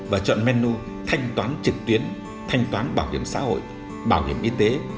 và chọn menu thanh toán trực tuyến thanh toán bảo hiểm xã hội bảo hiểm y tế